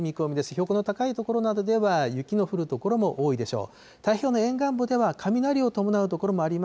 標高の高い所などでは、雪の降る所も多いでしょう。